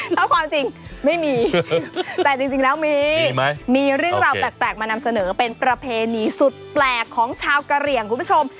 ถ้าความจริงไม่มีแต่จริงแล้วมีเรื่องราวแปลกมานำเสนอเป็นประเพณีสุดแปลกของชาวกะเหลี่ยงคุณผู้ชม